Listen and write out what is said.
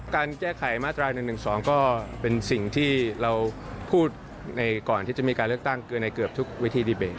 การแก้ไขมาตรา๑๑๒ก็เป็นสิ่งที่เราพูดในก่อนที่จะมีการเลือกตั้งเกินในเกือบทุกวิธีดีเบต